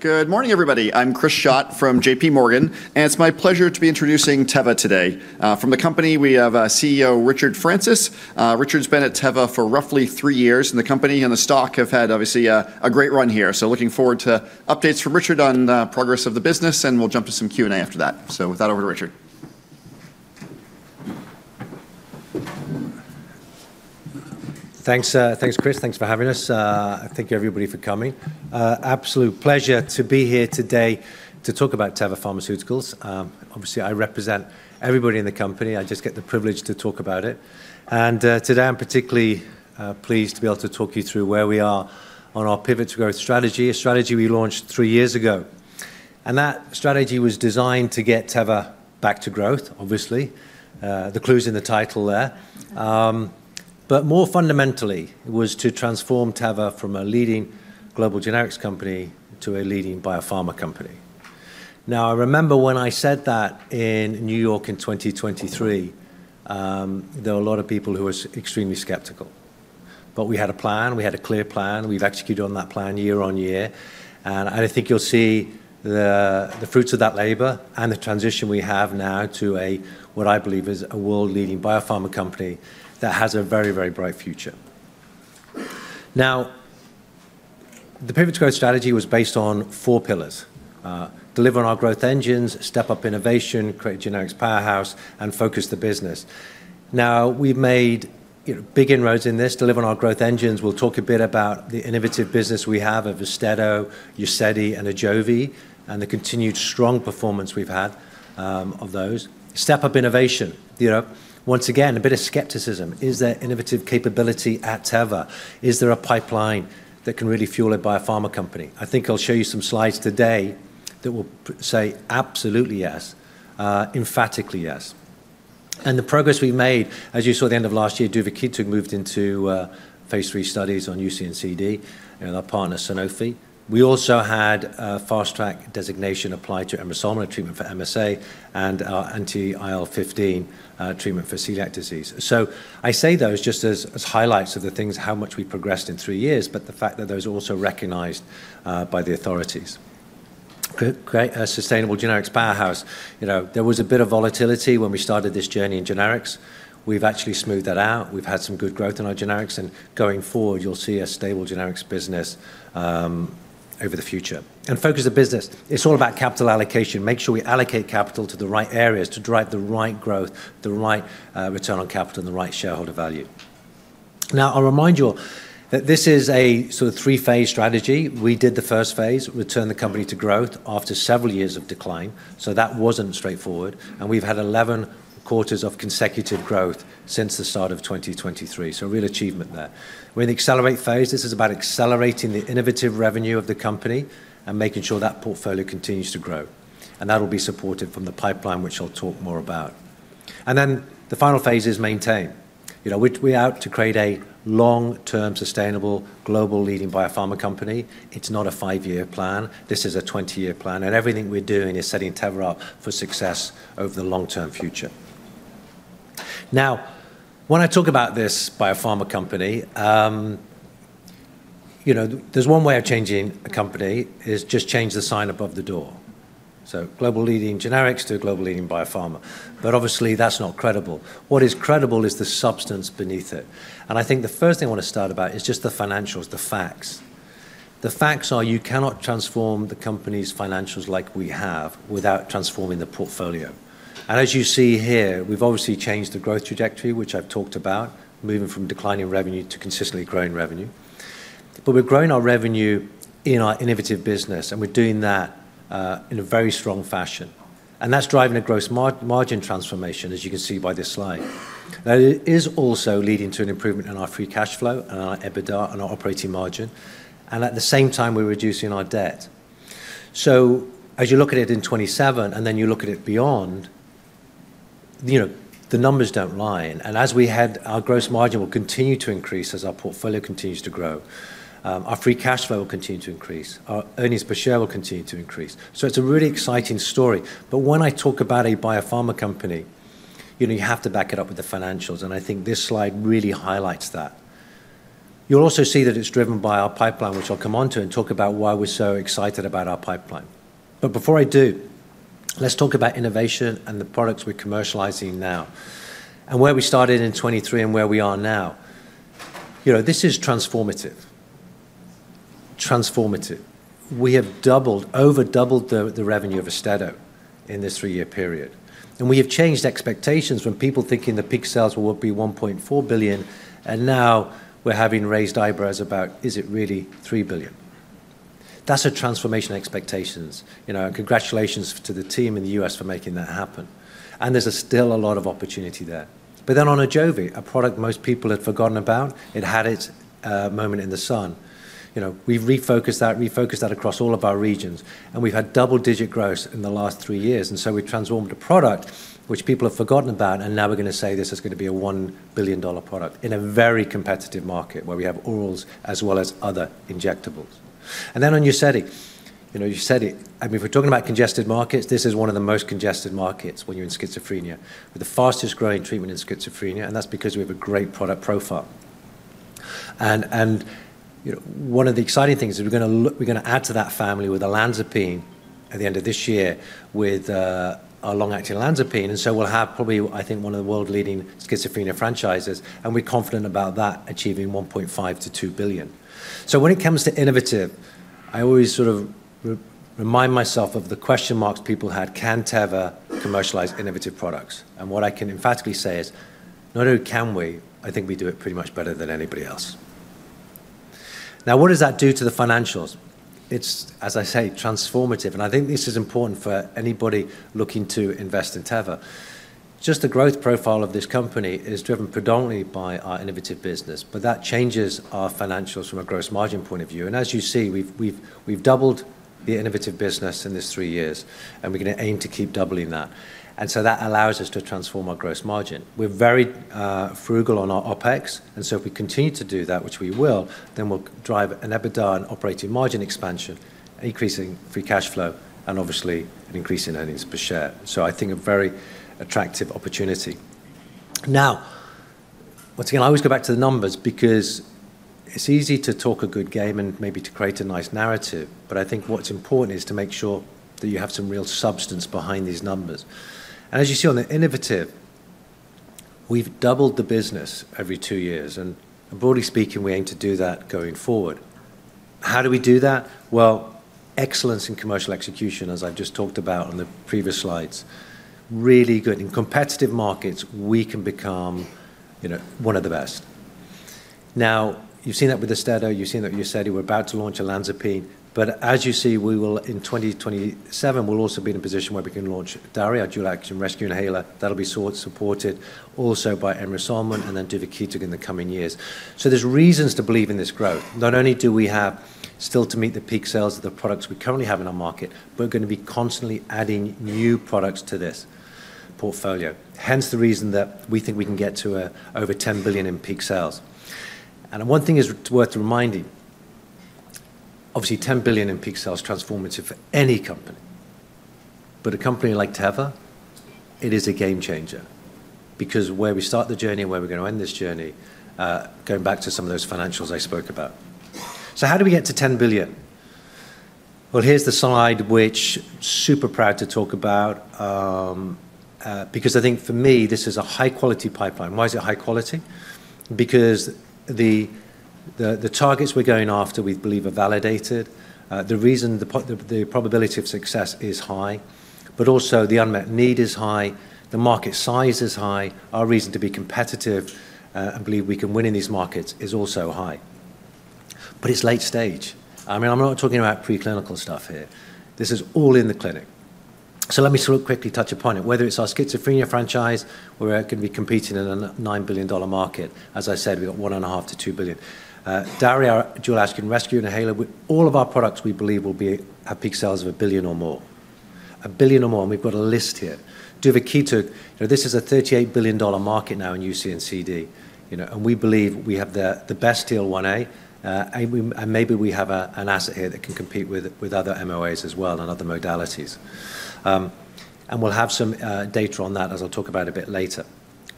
Good morning, everybody. I'm Chris Schott from JPMorgan, and it's my pleasure to be introducing Teva today. From the company, we have CEO Richard Francis. Richard's been at Teva for roughly three years, and the company and the stock have had, obviously, a great run here. So looking forward to updates from Richard on the progress of the business, and we'll jump to some Q&A after that. So with that, over to Richard. Thanks, Chris. Thanks for having us. Thank you, everybody, for coming. Absolute pleasure to be here today to talk about Teva Pharmaceuticals. Obviously, I represent everybody in the company. I just get the privilege to talk about it. And today, I'm particularly pleased to be able to talk you through where we are on our pivot to growth strategy, a strategy we launched three years ago. And that strategy was designed to get Teva back to growth, obviously. The clue's in the title there. But more fundamentally, it was to transform Teva from a leading global generics company to a leading biopharma company. Now, I remember when I said that in New York in 2023, there were a lot of people who were extremely skeptical. But we had a plan. We had a clear plan. We've executed on that plan year on year. And I think you'll see the fruits of that labor and the transition we have now to what I believe is a world-leading biopharma company that has a very, very bright future. Now, the pivot to growth strategy was based on four pillars: deliver on our growth engines, step up innovation, create a generics powerhouse, and focus the business. Now, we've made big inroads in this, deliver on our growth engines. We'll talk a bit about the innovative business we have of Austedo, Uzedy, and Ajovy, and the continued strong performance we've had of those. Step up innovation. Once again, a bit of skepticism. Is there innovative capability at Teva? Is there a pipeline that can really fuel a biopharma company? I think I'll show you some slides today that will say, absolutely yes, emphatically yes. The progress we've made, as you saw at the end of last year, Duvakitug, which moved into phase 3 studies on UC and CD and our partner, Sanofi. We also had a fast-track designation applied to Anle138b, a treatment for MSA, and our anti-IL-15 treatment for celiac disease. I say those just as highlights of the things, how much we progressed in three years, but the fact that those are also recognized by the authorities. Sustainable generics powerhouse. There was a bit of volatility when we started this journey in generics. We've actually smoothed that out. We've had some good growth in our generics. Going forward, you'll see a stable generics business over the future. The focus of business, it's all about capital allocation. Make sure we allocate capital to the right areas to drive the right growth, the right return on capital, and the right shareholder value. Now, I'll remind you that this is a sort of three-phase strategy. We did the first phase, return the company to growth after several years of decline. So that wasn't straightforward. And we've had 11 quarters of consecutive growth since the start of 2023. So a real achievement there. We're in the accelerate phase. This is about accelerating the innovative revenue of the company and making sure that portfolio continues to grow. And that'll be supported from the pipeline, which I'll talk more about. And then the final phase is maintain. We're out to create a long-term sustainable global leading biopharma company. It's not a five-year plan. This is a 20-year plan. And everything we're doing is setting Teva up for success over the long-term future. Now, when I talk about this biopharma company, there's one way of changing a company is just change the sign above the door. Global leading generics to global leading biopharma. Obviously, that's not credible. What is credible is the substance beneath it. I think the first thing I want to start about is just the financials, the facts. The facts are you cannot transform the company's financials like we have without transforming the portfolio. As you see here, we've obviously changed the growth trajectory, which I've talked about, moving from declining revenue to consistently growing revenue. We're growing our revenue in our innovative business, and we're doing that in a very strong fashion. That's driving a gross margin transformation, as you can see by this slide. Now, it is also leading to an improvement in our free cash flow and our EBITDA and our operating margin. At the same time, we're reducing our debt. So as you look at it in 2027 and then you look at it beyond, the numbers don't lie. And as we head, our gross margin will continue to increase as our portfolio continues to grow. Our free cash flow will continue to increase. Our earnings per share will continue to increase. So it's a really exciting story. But when I talk about a biopharma company, you have to back it up with the financials. And I think this slide really highlights that. You'll also see that it's driven by our pipeline, which I'll come on to and talk about why we're so excited about our pipeline. But before I do, let's talk about innovation and the products we're commercializing now and where we started in 2023 and where we are now. This is transformative. Transformative. We have doubled, overdoubled the revenue of Austedo in this three-year period. We have changed expectations when people thinking the peak sales will be $1.4 billion. Now we're having raised eyebrows about, is it really $3 billion? That's a transformation of expectations. Congratulations to the team in the U.S. for making that happen. There's still a lot of opportunity there. But then on Ajovy, a product most people had forgotten about, it had its moment in the sun. We've refocused that, refocused that across all of our regions. We've had double-digit growth in the last three years. So we've transformed a product which people have forgotten about. Now we're going to say this is going to be a $1 billion product in a very competitive market where we have orals as well as other injectables. And then on Uzedy, I mean, if we're talking about congested markets, this is one of the most congested markets when you're in schizophrenia, with the fastest growing treatment in schizophrenia. And that's because we have a great product profile. And one of the exciting things is we're going to add to that family with Olanzapine at the end of this year with our long-acting Olanzapine. And so we'll have probably, I think, one of the world-leading schizophrenia franchises. And we're confident about that achieving $1.5-$2 billion. So when it comes to innovative, I always sort of remind myself of the question marks people had, can Teva commercialize innovative products? And what I can emphatically say is, no, no, can we? I think we do it pretty much better than anybody else. Now, what does that do to the financials? It's, as I say, transformative. And I think this is important for anybody looking to invest in Teva. Just the growth profile of this company is driven predominantly by our innovative business. But that changes our financials from a gross margin point of view. And as you see, we've doubled the innovative business in this three years. And we're going to aim to keep doubling that. And so that allows us to transform our gross margin. We're very frugal on our OpEx. And so if we continue to do that, which we will, then we'll drive an EBITDA and operating margin expansion, increasing free cash flow, and obviously an increase in earnings per share. So I think a very attractive opportunity. Now, once again, I always go back to the numbers because it's easy to talk a good game and maybe to create a nice narrative. I think what's important is to make sure that you have some real substance behind these numbers. As you see on the innovative, we've doubled the business every two years. Broadly speaking, we aim to do that going forward. How do we do that? Excellence in commercial execution, as I've just talked about on the previous slides, really good. In competitive markets, we can become one of the best. Now, you've seen that with Austedo. You've seen that with Uzedy. We're about to launch Olanzapine. As you see, in 2027, we'll also be in a position where we can launch DARI, dual-action rescue inhaler. That'll be supported also by Anle138b and then Duvakitug in the coming years. There's reasons to believe in this growth. Not only do we have still to meet the peak sales of the products we currently have in our market, but we're going to be constantly adding new products to this portfolio. Hence the reason that we think we can get to over $10 billion in peak sales. And one thing is worth reminding, obviously, $10 billion in peak sales is transformative for any company. But a company like Teva, it is a game changer because where we start the journey and where we're going to end this journey, going back to some of those financials I spoke about. So how do we get to $10 billion? Well, here's the slide, which I'm super proud to talk about because I think for me, this is a high-quality pipeline. Why is it high quality? Because the targets we're going after, we believe, are validated. The reason, the probability of success is high, but also the unmet need is high. The market size is high. Our reason to be competitive and believe we can win in these markets is also high. But it's late stage. I mean, I'm not talking about preclinical stuff here. This is all in the clinic. So let me sort of quickly touch upon it. Whether it's our schizophrenia franchise, we're going to be competing in a $9 billion market. As I said, we've got $1.5-$2 billion. Daria, dual-action rescue inhaler, all of our products we believe will have peak sales of $1 billion or more. $1 billion or more. And we've got a list here. DuvaKitug, this is a $38 billion market now in UC and CD. And we believe we have the best TL1A. And maybe we have an asset here that can compete with other MOAs as well and other modalities. And we'll have some data on that, as I'll talk about a bit later.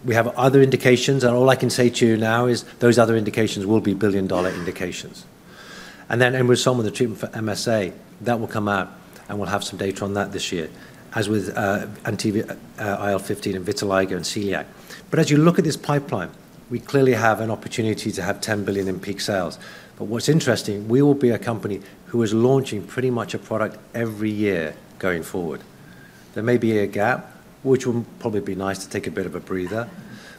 We have other indications. And all I can say to you now is those other indications will be billion-dollar indications. And then Anle138b with the treatment for MSA, that will come out. And we'll have some data on that this year, as with anti-IL-15 and vitiligo and celiac. But as you look at this pipeline, we clearly have an opportunity to have $10 billion in peak sales. But what's interesting, we will be a company who is launching pretty much a product every year going forward. There may be a gap, which will probably be nice to take a bit of a breather.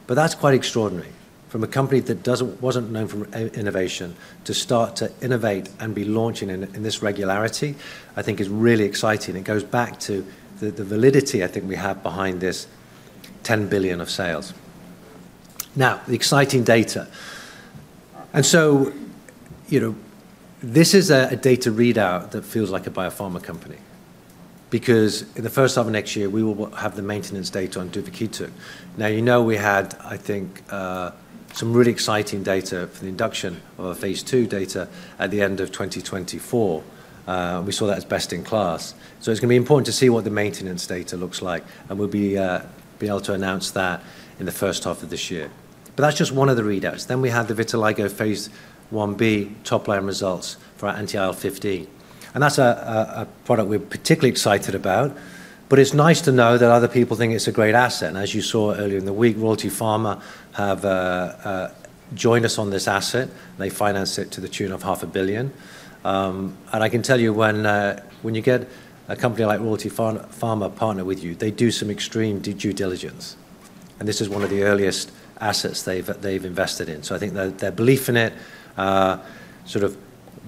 But that's quite extraordinary from a company that wasn't known for innovation to start to innovate and be launching in this regularity, I think is really exciting. It goes back to the validity I think we have behind this $10 billion of sales. Now, the exciting data. And so this is a data readout that feels like a biopharma company because in the first half of next year, we will have the maintenance data on Duvakitug. Now, you know we had, I think, some really exciting data for the induction of our phase 2 data at the end of 2024. We saw that as best in class. So it's going to be important to see what the maintenance data looks like. And we'll be able to announce that in the first half of this year. But that's just one of the readouts. Then we have the vitiligo phase 1b top-line results for our anti-IL-15. And that's a product we're particularly excited about. But it's nice to know that other people think it's a great asset. And as you saw earlier in the week, Royalty Pharma have joined us on this asset. They financed it to the tune of $500 million. And I can tell you when you get a company like Royalty Pharma partner with you, they do some extreme due diligence. And this is one of the earliest assets they've invested in. So I think their belief in it sort of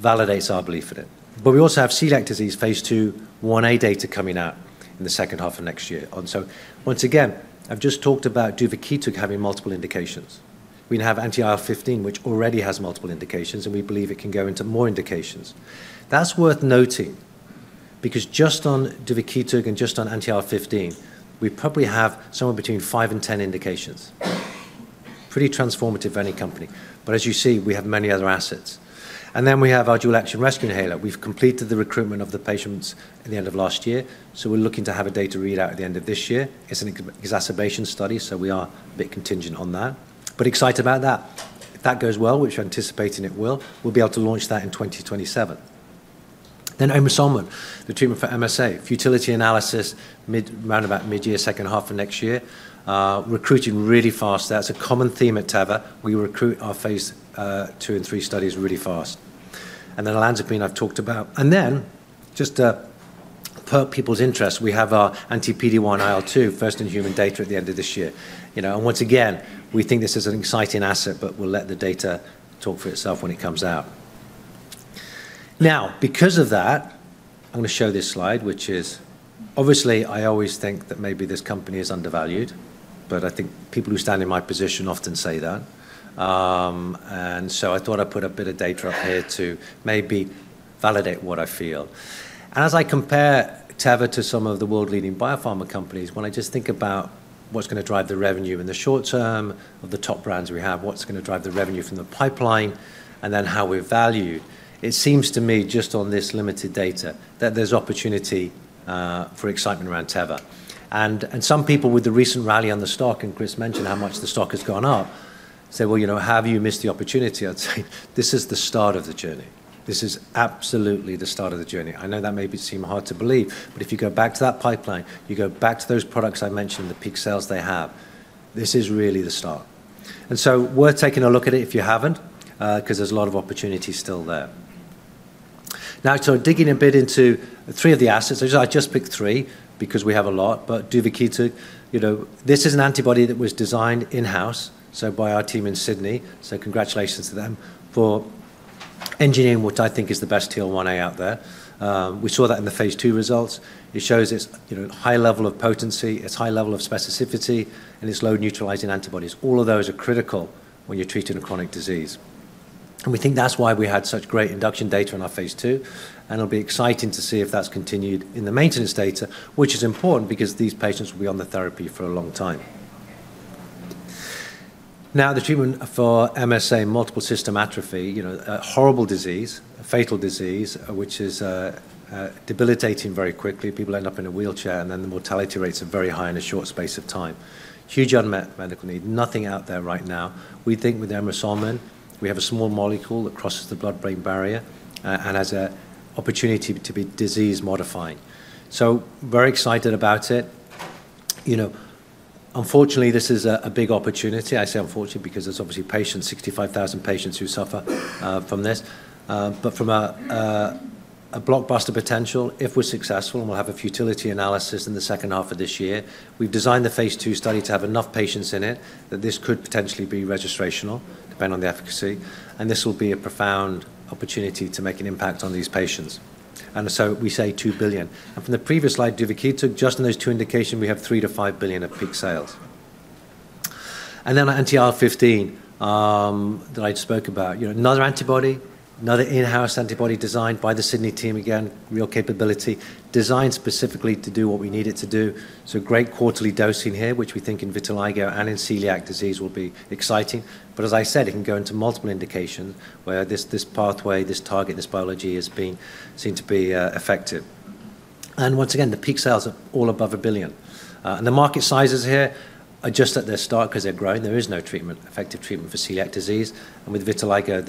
validates our belief in it. But we also have celiac disease phase 2 1a data coming out in the second half of next year. And so once again, I've just talked about Duvakitug having multiple indications. We have anti-IL-15, which already has multiple indications, and we believe it can go into more indications. That's worth noting because just on Duvakitug and just on anti-IL-15, we probably have somewhere between five and 10 indications. Pretty transformative for any company. But as you see, we have many other assets. And then we have our dual-action rescue inhaler. We've completed the recruitment of the patients at the end of last year. So we're looking to have a data readout at the end of this year. It's an exacerbation study, so we are a bit contingent on that. But excited about that. If that goes well, which we're anticipating it will, we'll be able to launch that in 2027. Then Anle138b, the treatment for MSA, futility analysis around about mid-year, second half of next year, recruiting really fast. That's a common theme at Teva. We recruit our phase two and three studies really fast, and then Olanzapine, I've talked about, and then just to perk people's interest, we have our anti-PD-1, IL-2, first in human data at the end of this year, and once again, we think this is an exciting asset, but we'll let the data talk for itself when it comes out. Now, because of that, I'm going to show this slide, which is obviously. I always think that maybe this company is undervalued, but I think people who stand in my position often say that, and so I thought I'd put a bit of data up here to maybe validate what I feel. As I compare Teva to some of the world-leading biopharma companies, when I just think about what's going to drive the revenue in the short term of the top brands we have, what's going to drive the revenue from the pipeline, and then how we're valued, it seems to me, just on this limited data, that there's opportunity for excitement around Teva. Some people with the recent rally on the stock, and Chris mentioned how much the stock has gone up, said, "Well, have you missed the opportunity?" I'd say this is the start of the journey. This is absolutely the start of the journey. I know that may seem hard to believe, but if you go back to that pipeline, you go back to those products I mentioned, the peak sales they have, this is really the start. Worth taking a look at it if you haven't because there's a lot of opportunity still there. Now, digging a bit into three of the assets, I just picked three because we have a lot, but DuvaKit, this is an antibody that was designed in-house, so by our team in Sydney. Congratulations to them for engineering what I think is the best TL1A out there. We saw that in the phase 2 results. It shows its high level of potency, its high level of specificity, and its low neutralizing antibodies. All of those are critical when you're treating a chronic disease. We think that's why we had such great induction data in our phase 2. It'll be exciting to see if that's continued in the maintenance data, which is important because these patients will be on the therapy for a long time. Now, the treatment for MSA, multiple system atrophy, a horrible disease, a fatal disease, which is debilitating very quickly. People end up in a wheelchair, and then the mortality rates are very high in a short space of time. Huge unmet medical need. Nothing out there right now. We think with Anle138b, we have a small molecule that crosses the blood-brain barrier and has an opportunity to be disease modifying. So very excited about it. Unfortunately, this is a big opportunity. I say unfortunately because there's obviously patients, 65,000 patients who suffer from this. But from a blockbuster potential, if we're successful and we'll have a futility analysis in the second half of this year, we've designed the phase two study to have enough patients in it that this could potentially be registrational, depending on the efficacy. This will be a profound opportunity to make an impact on these patients. So we say $2 billion. From the previous slide, Duvakitug, just in those two indications, we have $3-$5 billion of peak sales. Then anti-IL-15 that I spoke about, another antibody, another in-house antibody designed by the Sydney team, again, real capability, designed specifically to do what we need it to do. Great quarterly dosing here, which we think in vitiligo and in celiac disease will be exciting. But as I said, it can go into multiple indications where this pathway, this target, this biology has been seen to be effective. Once again, the peak sales are all above $1 billion. The market sizes here are just at their start because they're growing. There is no treatment, effective treatment for celiac disease. With vitiligo,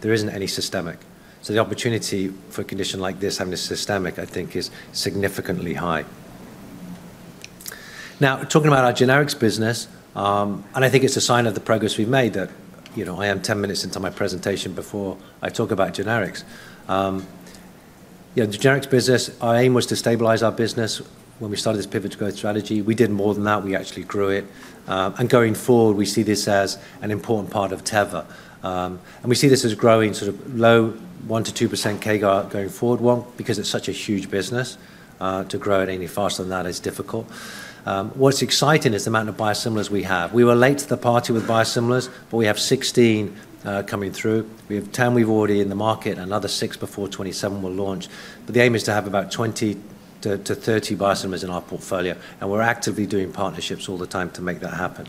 there isn't any systemic. So the opportunity for a condition like this having a systemic, I think, is significantly high. Now, talking about our generics business, and I think it's a sign of the progress we've made that I am 10 minutes into my presentation before I talk about generics. The generics business, our aim was to stabilize our business when we started this pivot to growth strategy. We did more than that. We actually grew it. And going forward, we see this as an important part of Teva. And we see this as growing sort of low 1%-2% CAGR going forward, one, because it's such a huge business. To grow it any faster than that is difficult. What's exciting is the amount of biosimilars we have. We were late to the party with biosimilars, but we have 16 coming through. We have 10 we've already got in the market. Another six before 2027 will launch. But the aim is to have about 20-30 biosimilars in our portfolio. And we're actively doing partnerships all the time to make that happen.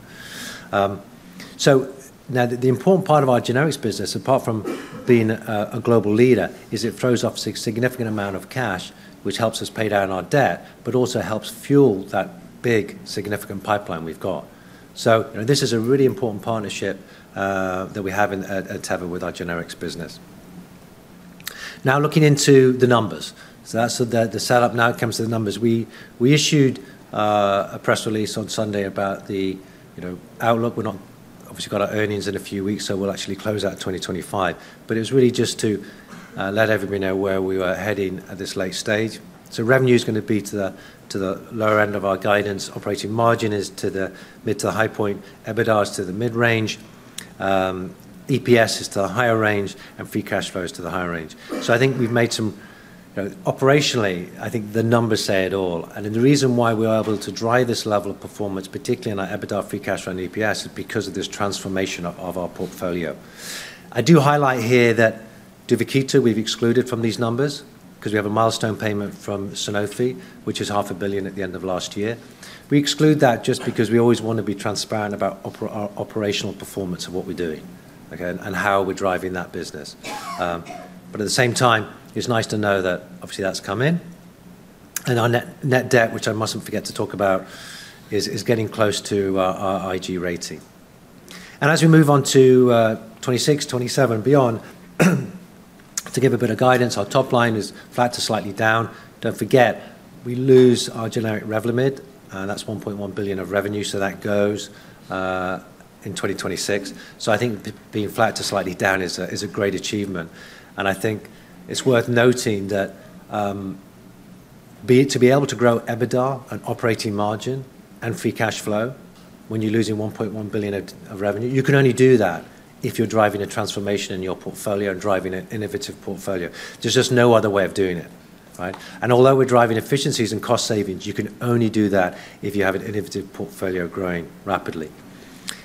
So now, the important part of our generics business, apart from being a global leader, is that it throws off a significant amount of cash, which helps us pay down our debt, but also helps fuel that big, significant pipeline we've got. So this is a really important partnership that we have at Teva with our generics business. Now, looking into the numbers. So that's the setup. Now it comes to the numbers. We issued a press release on Sunday about the outlook. We've obviously got our earnings in a few weeks, so we'll actually close out 2025. It was really just to let everybody know where we were heading at this late stage. Revenue is going to be to the lower end of our guidance. Operating margin is to the mid to high point. EBITDA is to the mid range. EPS is to the higher range. Free cash flow is to the higher range. I think we've made some operationally. I think the numbers say it all. The reason why we are able to drive this level of performance, particularly in our EBITDA, free cash flow, and EPS, is because of this transformation of our portfolio. I do highlight here that Duvakitug, we've excluded from these numbers because we have a milestone payment from Sanofi, which is $500 million at the end of last year. We exclude that just because we always want to be transparent about our operational performance of what we're doing and how we're driving that business. But at the same time, it's nice to know that, obviously, that's come in. And our net debt, which I mustn't forget to talk about, is getting close to our IG rating. And as we move on to 2026, 2027, and beyond, to give a bit of guidance, our top line is flat to slightly down. Don't forget, we lose our generic Revlimid. That's $1.1 billion of revenue. So that goes in 2026. So I think being flat to slightly down is a great achievement. I think it's worth noting that to be able to grow EBITDA and operating margin and free cash flow when you're losing $1.1 billion of revenue, you can only do that if you're driving a transformation in your portfolio and driving an innovative portfolio. There's just no other way of doing it, right? Although we're driving efficiencies and cost savings, you can only do that if you have an innovative portfolio growing rapidly.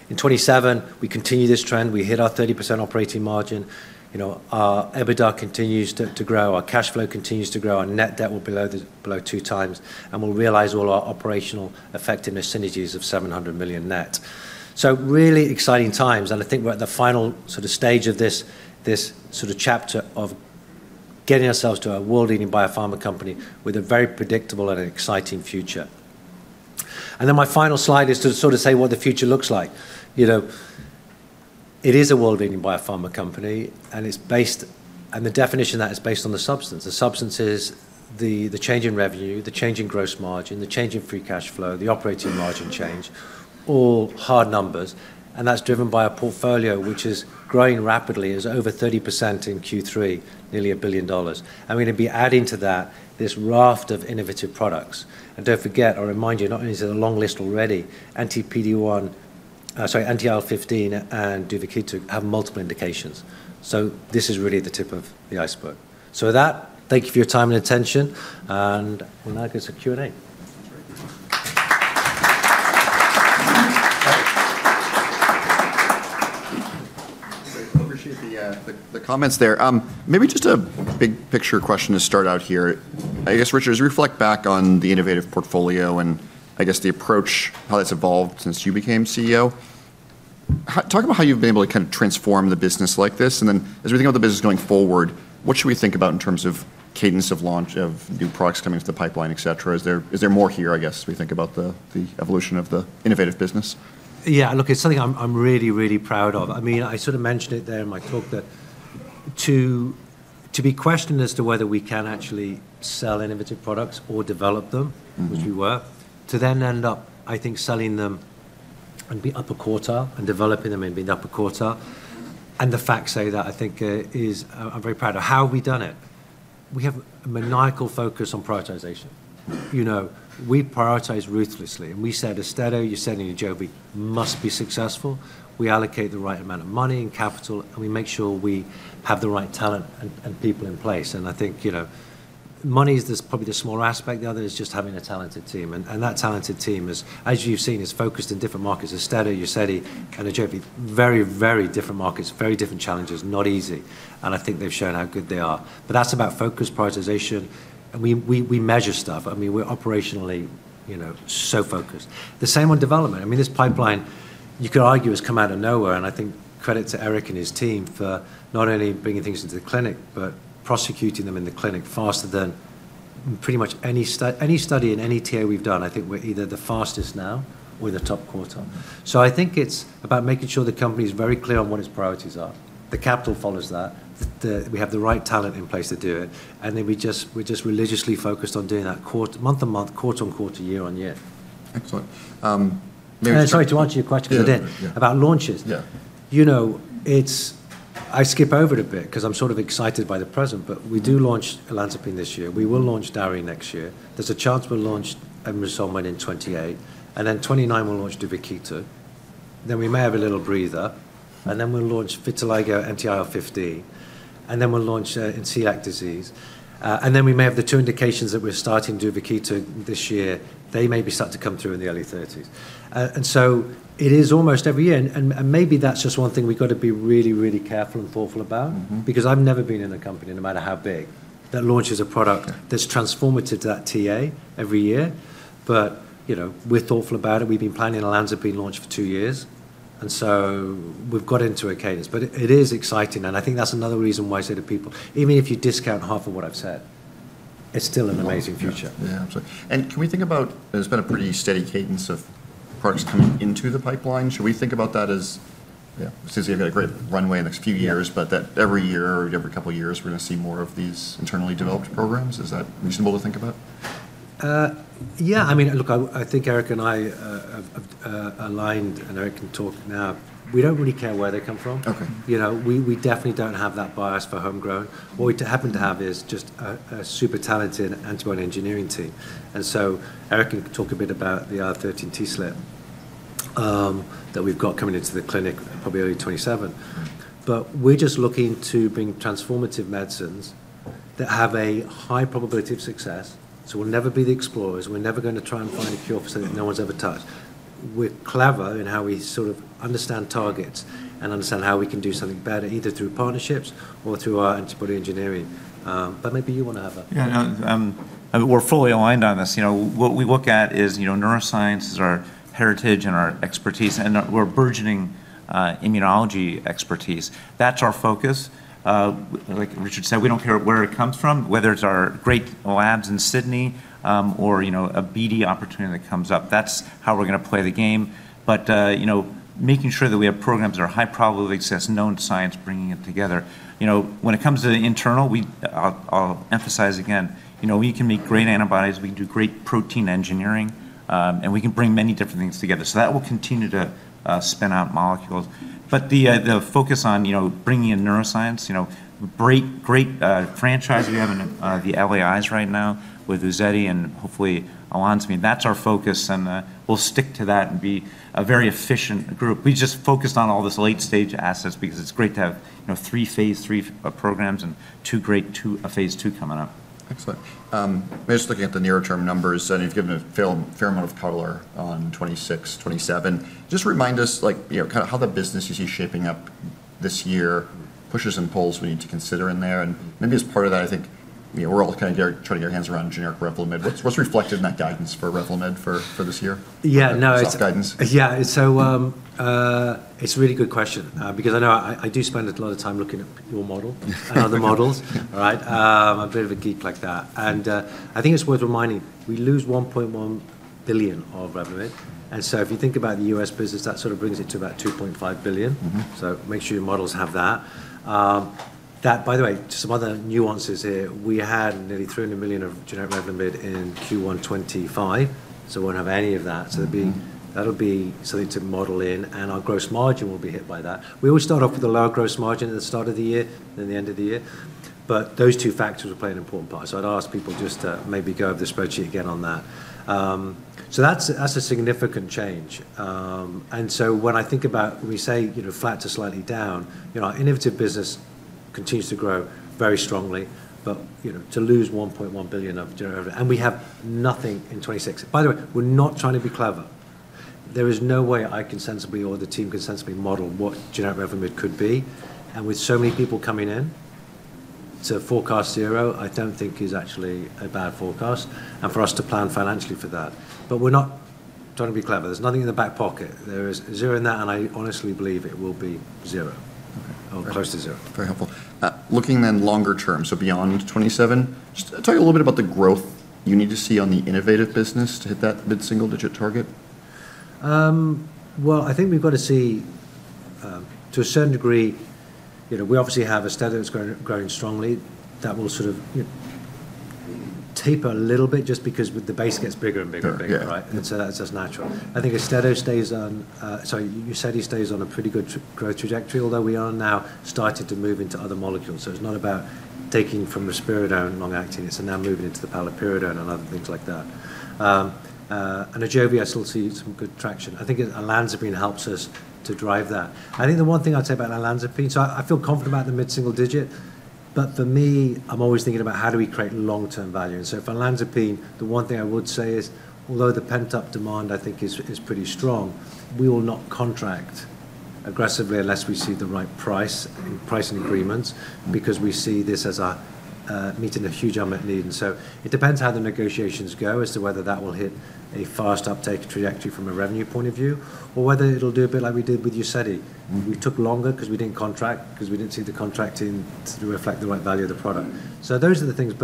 In 2027, we continue this trend. We hit our 30% operating margin. Our EBITDA continues to grow. Our cash flow continues to grow. Our net debt will be below two times. We'll realize all our operational effectiveness synergies of $700 million net. So really exciting times. I think we're at the final sort of stage of this sort of chapter of getting ourselves to a world-leading biopharma company with a very predictable and exciting future. And then my final slide is to sort of say what the future looks like. It is a world-leading biopharma company, and the definition of that is based on the substance. The substance is the change in revenue, the change in gross margin, the change in free cash flow, the operating margin change, all hard numbers. And that's driven by a portfolio which is growing rapidly. It's over 30% in Q3, nearly $1 billion. And we're going to be adding to that this raft of innovative products. And don't forget, I'll remind you, not only is it a long list already, anti-PD-1, sorry, anti-IL-15, and Duvakitug have multiple indications. So this is really the tip of the iceberg. So with that, thank you for your time and attention. And we'll now go to Q&A. Appreciate the comments there. Maybe just a big picture question to start out here. I guess, Richard, as we reflect back on the innovative portfolio and I guess the approach, how that's evolved since you became CEO, talk about how you've been able to kind of transform the business like this. And then as we think about the business going forward, what should we think about in terms of cadence of launch of new products coming to the pipeline, etc.? Is there more here, I guess, as we think about the evolution of the innovative business? Yeah. Look, it's something I'm really, really proud of. I mean, I sort of mentioned it there in my talk that to be questioned as to whether we can actually sell innovative products or develop them, which we were, to then end up, I think, selling them and being up a quarter and developing them and being up a quarter. And the facts say that, I think, I'm very proud of. How have we done it? We have a maniacal focus on prioritization. We prioritize ruthlessly. And we said, "Sven, you said in your job, we must be successful." We allocate the right amount of money and capital, and we make sure we have the right talent and people in place. And I think money is probably the smaller aspect. The other is just having a talented team. And that talented team, as you've seen, is focused in different markets. Sven, you said it, kind of jokingly, very, very different markets, very different challenges, not easy, and I think they've shown how good they are, but that's about focused prioritization, and we measure stuff. I mean, we're operationally so focused. The same on development. I mean, this pipeline, you could argue, has come out of nowhere, and I think credit to Eric and his team for not only bringing things into the clinic, but prosecuting them in the clinic faster than pretty much any study in any TA we've done. I think we're either the fastest now or in the top quarter, so I think it's about making sure the company is very clear on what its priorities are. The capital follows that. We have the right talent in place to do it. And then we're just religiously focused on doing that month on month, quarter on quarter, year on year. Excellent. Sorry to answer your question about launches. Yeah. I skip over it a bit because I'm sort of excited by the present, but we do launch olanzapine this year. We will launch Dari next year. There's a chance we'll launch Uncertain in 2028. Then 2029, we'll launch Duvakitug. Then we may have a little breather. And then we'll launch vitiligo, anti-IL-15. And then we'll launch in celiac disease. And then we may have the two indications that we're starting Duvakitug this year. They maybe start to come through in the early 2030s. And so it is almost every year. And maybe that's just one thing we've got to be really, really careful and thoughtful about because I've never been in a company, no matter how big, that launches a product that's transformative to that TA every year. But we're thoughtful about it. We've been planning an olanzapine launch for two years. And so we've got into a cadence. But it is exciting. And I think that's another reason why I say to people, even if you discount half of what I've said, it's still an amazing future. Yeah. Absolutely. And can we think about, there's been a pretty steady cadence of products coming into the pipeline. Should we think about that as, yeah, since you've got a great runway in the next few years, but that every year or every couple of years, we're going to see more of these internally developed programs? Is that reasonable to think about? Yeah. I mean, look, I think Eric and I have aligned, and Eric can talk now. We don't really care where they come from. We definitely don't have that bias for homegrown. What we happen to have is just a super talented antibody engineering team. And so Eric can talk a bit about the TEV-48574 that we've got coming into the clinic, probably early 2027. But we're just looking to bring transformative medicines that have a high probability of success. So we'll never be the explorers. We're never going to try and find a cure for something that no one's ever touched. We're clever in how we sort of understand targets and understand how we can do something better, either through partnerships or through our antibody engineering. But maybe you want to have a. Yeah. We're fully aligned on this. What we look at is neuroscience, our heritage, and our expertise, and our burgeoning immunology expertise. That's our focus. Like Richard said, we don't care where it comes from, whether it's our great labs in Sydney or a BD opportunity that comes up. That's how we're going to play the game, but making sure that we have programs that are high probability of success, known science bringing it together. When it comes to internal, I'll emphasize again, we can make great antibodies. We can do great protein engineering, and we can bring many different things together. So that will continue to spin out molecules, but the focus on bringing in neuroscience, great franchise we have in the LAIs right now with Uzedy and hopefully Olanzapine. That's our focus, and we'll stick to that and be a very efficient group. We just focused on all this late-stage assets because it's great to have three phase 3 programs and two great phase 2 coming up. Excellent. Just looking at the near-term numbers, and you've given a fair amount of color on 2026, 2027. Just remind us kind of how the business you see shaping up this year, pushes and pulls we need to consider in there, and maybe as part of that, I think we're all kind of trying to get our hands around generic Revlimid. What's reflected in that guidance for Revlimid for this year? Yeah. No. What's that guidance? Yeah. So it's a really good question because I know I do spend a lot of time looking at your model and other models, right? I'm a bit of a geek like that, and I think it's worth reminding, we lose $1.1 billion of Revlimid. So if you think about the US business, that sort of brings it to about $2.5 billion. Make sure your models have that. That, by the way, just some other nuances here. We had nearly $300 million of generic Revlimid in Q1 2025. So we won't have any of that. That'll be something to model in, and our gross margin will be hit by that. We always start off with a lower gross margin at the start of the year, then the end of the year. Those two factors are playing an important part. I'd ask people just to maybe go over the spreadsheet again on that. So that's a significant change. And so when I think about, when we say flat to slightly down, our innovative business continues to grow very strongly, but to lose $1.1 billion of generic Revlimid, and we have nothing in 2026. By the way, we're not trying to be clever. There is no way I can sensibly or the team can sensibly model what generic Revlimid could be. And with so many people coming in, so forecast zero, I don't think is actually a bad forecast and for us to plan financially for that. But we're not trying to be clever. There's nothing in the back pocket. There is zero in that, and I honestly believe it will be zero or close to zero. Very helpful. Looking then longer term, so beyond 2027, just tell you a little bit about the growth you need to see on the innovative business to hit that mid-single digit target. I think we've got to see, to a certain degree, we obviously have Uzedy. It's growing strongly. That will sort of taper a little bit just because the base gets bigger and bigger and bigger, right? And so that's just natural. I think Uzedy stays on, sorry, Uzedy stays on a pretty good growth trajectory, although we are now starting to move into other molecules. So it's not about taking from risperidone long-acting. It's now moving into the paliperidone and other things like that. And Ajovy, I still see some good traction. I think olanzapine helps us to drive that. I think the one thing I'd say about olanzapine, so I feel confident about the mid-single digit, but for me, I'm always thinking about how do we create long-term value. And so for Olanzapine, the one thing I would say is, although the pent-up demand I think is pretty strong, we will not contract aggressively unless we see the right price and agreements because we see this as meeting a huge unmet need. And so it depends how the negotiations go as to whether that will hit a fast uptake trajectory from a revenue point of view or whether it'll do a bit like we did with Uzedy. We took longer because we didn't contract because we didn't see the contracting to reflect the right value of the product. So those are the things.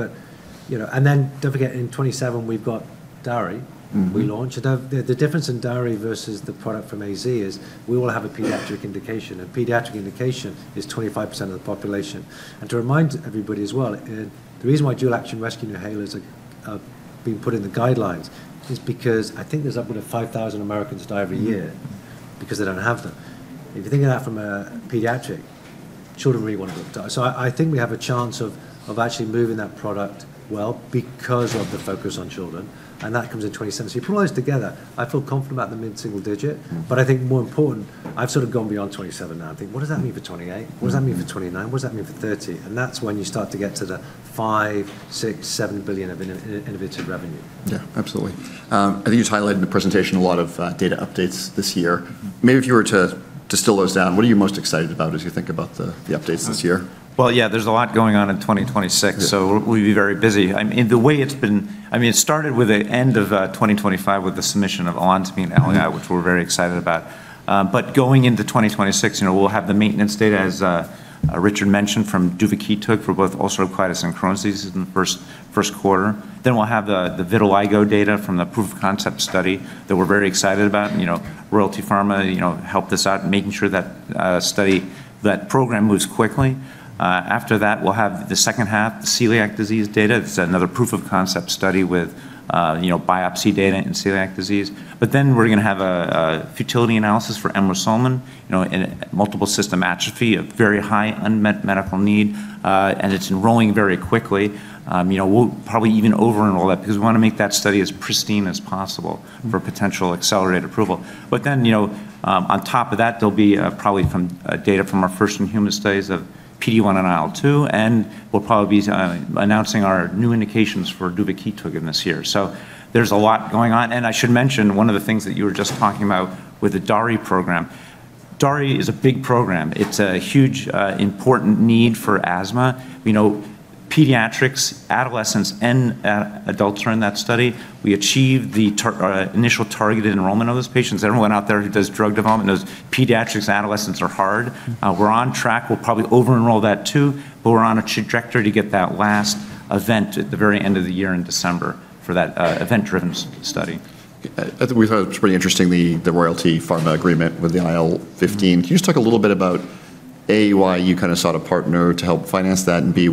And then don't forget, in 2027, we've got TEV-'248. We launch. The difference in TEV-'248 versus the product from AZ is we all have a pediatric indication. And pediatric indication is 25% of the population. To remind everybody as well, the reason why dual-action rescue inhalers are being put in the guidelines is because I think there's upward of 5,000 Americans die every year because they don't have them. If you're thinking of that from a pediatric, children really want to look at it. So I think we have a chance of actually moving that product well because of the focus on children. And that comes in 2027. So if you put all those together, I feel confident about the mid-single digit. But I think more important, I've sort of gone beyond 2027 now. I think, what does that mean for 2028? What does that mean for 2029? What does that mean for 2030? And that's when you start to get to the $5-$7 billion of innovative revenue. Yeah. Absolutely. I think you just highlighted in the presentation a lot of data updates this year. Maybe if you were to distill those down, what are you most excited about as you think about the updates this year? Yeah, there's a lot going on in 2026. We'll be very busy. I mean, the way it's been, I mean, it started with the end of 2025 with the submission of olanzapine and Uncertain, which we're very excited about. Going into 2026, we'll have the maintenance data, as Richard mentioned, from Duvakitug for both ulcerative colitis and Crohn's disease in the Q1. We'll have the vitiligo data from the proof of concept study that we're very excited about. Royalty Pharma helped us out making sure that program moves quickly. After that, we'll have the second half, the celiac disease data. It's another proof of concept study with biopsy data in celiac disease. We're going to have a futility analysis for Anle138b and multiple system atrophy, a very high unmet medical need. It's enrolling very quickly. We'll probably even over-enroll that because we want to make that study as pristine as possible for potential accelerated approval. But then on top of that, there'll be probably data from our first-in-human studies of PD-1 and IL-2. And we'll probably be announcing our new indications for Duvakitug again this year. So there's a lot going on. And I should mention one of the things that you were just talking about with the DARI program. DARI is a big program. It's a huge important need for asthma. Pediatrics, adolescents, and adults are in that study. We achieved the initial targeted enrollment of those patients. Everyone out there who does drug development knows pediatrics and adolescents are hard. We're on track. We'll probably over-enroll that too. But we're on a trajectory to get that last event at the very end of the year in December for that event-driven study. We've had a pretty interesting Royalty Pharma agreement with the IL-15. Can you just talk a little bit about A, why you kind of sought a partner to help finance that, and B,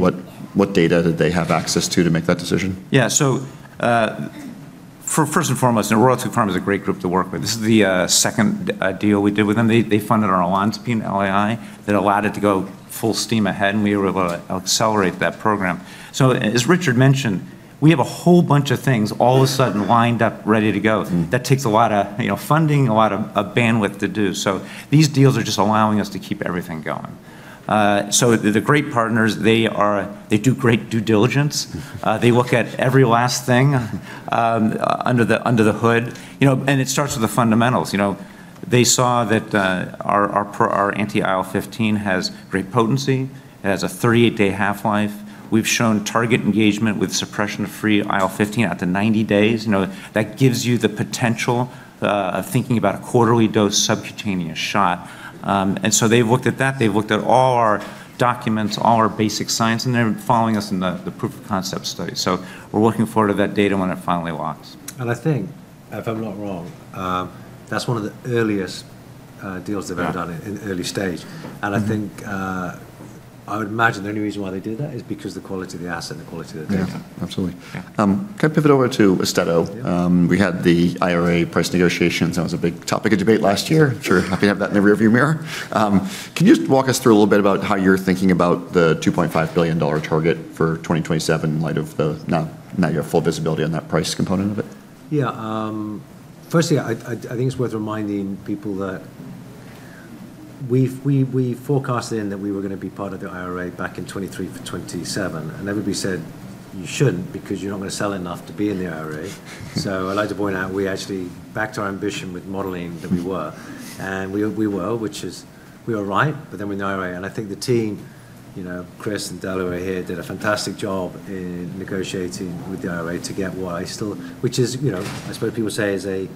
what data did they have access to to make that decision? Yeah. So first and foremost, Royalty Pharma is a great group to work with. This is the second deal we did with them. They funded our Olanzapine LAI that allowed it to go full steam ahead. And we were able to accelerate that program. So as Richard mentioned, we have a whole bunch of things all of a sudden lined up, ready to go. That takes a lot of funding, a lot of bandwidth to do. So these deals are just allowing us to keep everything going. So, great partners, they do great due diligence. They look at every last thing under the hood. And it starts with the fundamentals. They saw that our anti-IL-15 has great potency. It has a 38-day half-life. We've shown target engagement with suppression of free IL-15 at 90 days. That gives you the potential of thinking about a quarterly dose subcutaneous shot. And so they've looked at that. They've looked at all our documents, all our basic science. And they're following us in the proof of concept study. So we're looking forward to that data when it finally locks. And I think, if I'm not wrong, that's one of the earliest deals they've ever done in early stage. And I think I would imagine the only reason why they did that is because of the quality of the asset and the quality of the data. Yeah. Absolutely. Can I pivot over to Austedo? We had the IRA price negotiations. That was a big topic of debate last year. Sure. Happy to have that in the rearview mirror. Can you just walk us through a little bit about how you're thinking about the $2.5 billion target for 2027 in light of the now you have full visibility on that price component of it? Yeah. Firstly, I think it's worth reminding people that we forecasted that we were going to be part of the IRA back in 2023 for 2027. And everybody said, "You shouldn't because you're not going to sell enough to be in the IRA." So I'd like to point out we actually backed our ambition with modeling that we were. And we were, which is we were right. But then when the IRA and I think the team, Chris and Uncertain here did a fantastic job in negotiating with the IRA to get what I still, which is I suppose people say is a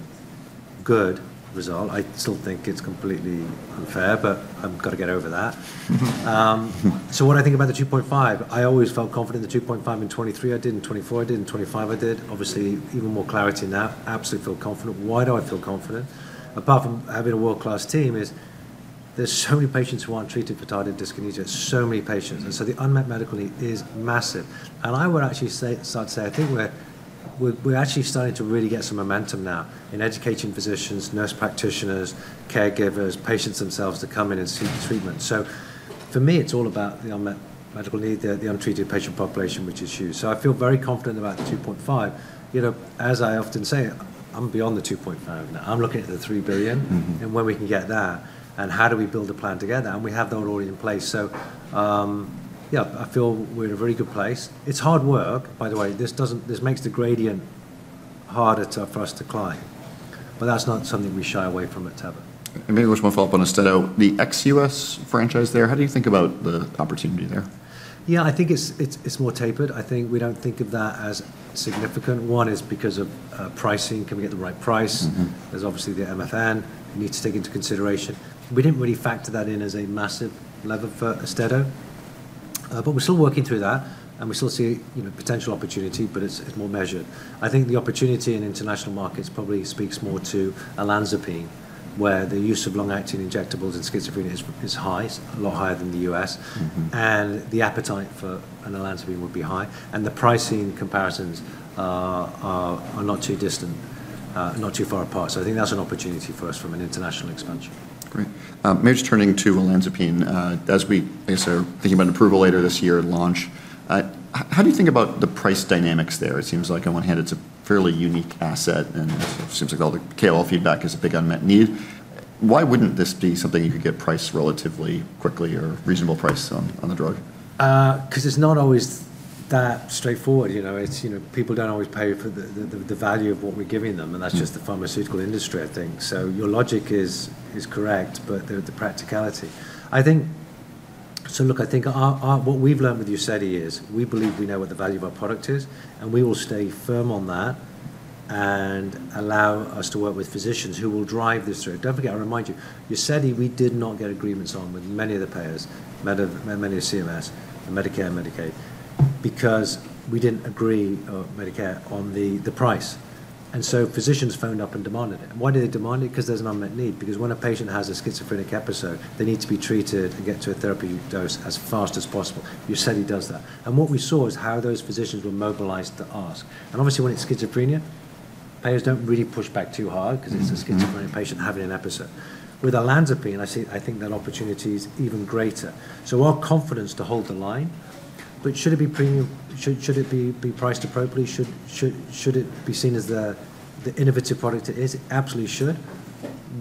good result. I still think it's completely unfair, but I've got to get over that. So what I think about the $2.5, I always felt confident in the $2.5 in 2023. I did in 2024. I did in 2025. I did obviously even more clarity in that. absolutely feel confident. Why do I feel confident? Apart from having a world-class team, there are so many patients who aren't treated for tardive dyskinesia. So many patients. And so the unmet medical need is massive. And I would actually start to say I think we're actually starting to really get some momentum now in educating physicians, nurse practitioners, caregivers, patients themselves to come in and seek treatment. So for me, it's all about the unmet medical need, the untreated patient population, which is huge. So I feel very confident about the $2.5 billion. As I often say, I'm beyond the $2.5 billion now. I'm looking at the $3 billion and where we can get that and how do we build a plan together. And we have that already in place. So yeah, I feel we're in a very good place. It's hard work, by the way. This makes the gradient harder for us to climb, but that's not something we shy away from at Teva. Maybe I'll just want to follow up on Stevo. The ex-US franchise there, how do you think about the opportunity there? Yeah, I think it's more tapered. I think we don't think of that as significant. One is because of pricing. Can we get the right price? There's obviously the MFN. It needs to take into consideration. We didn't really factor that in as a massive lever for Austedo. But we're still working through that. And we still see potential opportunity, but it's more measured. I think the opportunity in international markets probably speaks more to Olanzapine, where the use of long-acting injectables and schizophrenia is high, a lot higher than the U.S. And the appetite for Olanzapine would be high. And the pricing comparisons are not too distant, not too far apart. So I think that's an opportunity for us from an international expansion. Great. Maybe just turning to Olanzapine. As we think about approval later this year and launch, how do you think about the price dynamics there? It seems like on one hand, it's a fairly unique asset. And it seems like all the KOL feedback is a big unmet need. Why wouldn't this be something you could get priced relatively quickly or reasonable price on the drug? Because it's not always that straightforward. People don't always pay for the value of what we're giving them, and that's just the pharmaceutical industry, I think. Your logic is correct, but the practicality. I think so. Look, I think what we've learned with Uzedy is we believe we know what the value of our product is. And we will stay firm on that and allow us to work with physicians who will drive this through. Don't forget. I remind you, Uzedy, we did not get agreements on with many of the payers, many of CMS, Medicare and Medicaid, because we didn't agree or Medicare on the price, so physicians phoned up and demanded it. Why did they demand it? Because there's an unmet need. Because when a patient has a schizophrenic episode, they need to be treated and get to a therapy dose as fast as possible. Uzedy does that. And what we saw is how those physicians were mobilized to ask. And obviously, when it's schizophrenia, payers don't really push back too hard because it's a schizophrenic patient having an episode. With olanzapine, I think that opportunity is even greater. So our confidence to hold the line. But should it be premium? Should it be priced appropriately? Should it be seen as the innovative product it is? It absolutely should.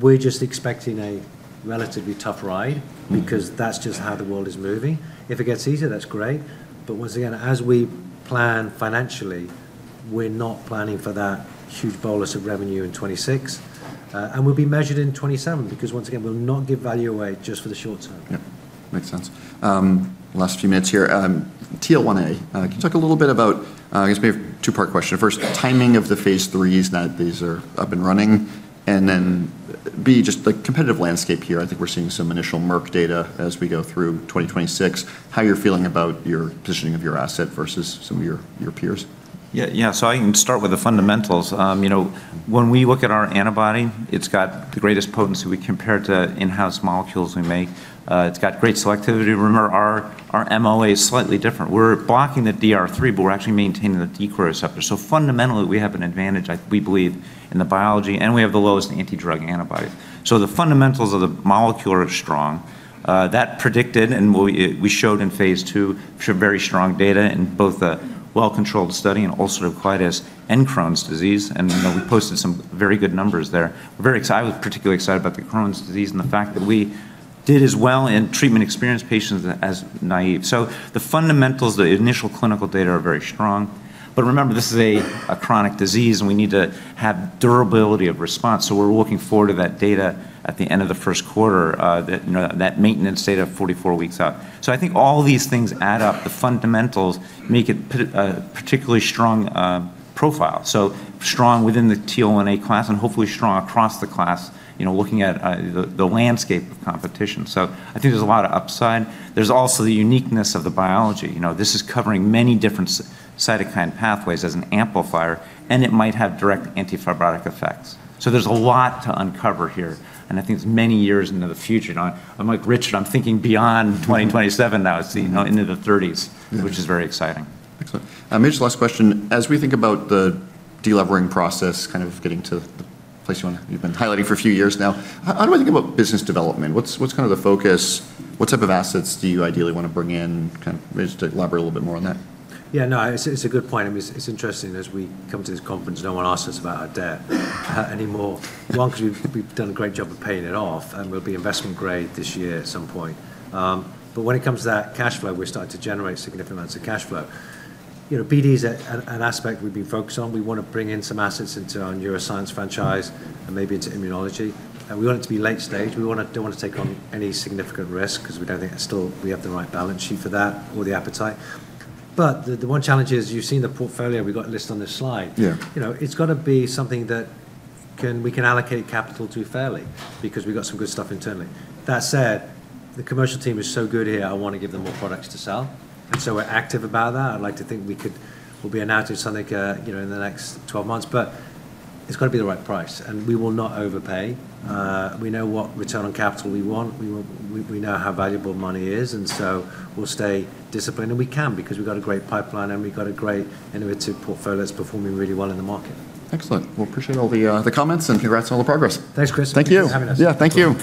We're just expecting a relatively tough ride because that's just how the world is moving. If it gets easier, that's great. But once again, as we plan financially, we're not planning for that huge bolus of revenue in 2026. And we'll be measured in 2027 because once again, we'll not give value away just for the short term. Yeah. Makes sense. Last few minutes here. TL1A, can you talk a little bit about, I guess, maybe a two-part question? First, timing of the phase threes that these are up and running. And then B, just the competitive landscape here. I think we're seeing some initial Merck data as we go through 2026. How you're feeling about your positioning of your asset versus some of your peers? Yeah. So I can start with the fundamentals. When we look at our antibody, it's got the greatest potency. We compare it to in-house molecules we make. It's got great selectivity. Remember, our MOA is slightly different. We're blocking the DR3, but we're actually maintaining the DcR3 receptor. So fundamentally, we have an advantage, we believe, in the biology. And we have the lowest anti-drug antibodies. So the fundamentals of the molecule are strong. That predicted, and we showed in phase 2, very strong data in both the well-controlled study and ulcerative colitis and Crohn's disease. And we posted some very good numbers there. We're very excited. I was particularly excited about the Crohn's disease and the fact that we did as well in treatment experienced patients as naive. So the fundamentals, the initial clinical data are very strong. But remember, this is a chronic disease. We need to have durability of response. So we're looking forward to that data at the end of the Q1, that maintenance data 44 weeks out. So I think all these things add up. The fundamentals make it a particularly strong profile. So strong within the TL1A class and hopefully strong across the class, looking at the landscape of competition. So I think there's a lot of upside. There's also the uniqueness of the biology. This is covering many different cytokine pathways as an amplifier. And it might have direct antifibrotic effects. So there's a lot to uncover here. And I think it's many years into the future. I'm like, Richard, I'm thinking beyond 2027 now. It's into the '30s, which is very exciting. Excellent. Rich, last question. As we think about the delevering process, kind of getting to the place you've been highlighting for a few years now, how do I think about business development? What's kind of the focus? What type of assets do you ideally want to bring in? Kind of just elaborate a little bit more on that. Yeah. No, it's a good point. I mean, it's interesting. As we come to this conference, no one asks us about our debt anymore. One, because we've done a great job of paying it off, and we'll be investment-grade this year at some point. But when it comes to that cash flow, we're starting to generate significant amounts of cash flow. BD is an aspect we've been focused on. We want to bring in some assets into our neuroscience franchise and maybe into immunology, and we want it to be late stage. We don't want to take on any significant risk because we don't think we have the right balance sheet for that or the appetite. But the one challenge is you've seen the portfolio we've got listed on this slide. It's got to be something that we can allocate capital to fairly because we've got some good stuff internally. That said, the commercial team is so good here, I want to give them more products to sell, and so we're active about that. I'd like to think we'll be announcing something in the next 12 months, but it's got to be the right price, and we will not overpay. We know what return on capital we want. We know how valuable money is, and so we'll stay disciplined, and we can because we've got a great pipeline, and we've got a great innovative portfolio that's performing really well in the market. Excellent. Well, appreciate all the comments. And congrats on all the progress. Thanks, Chris. Thank you. Thanks for having us. Yeah. Thank you.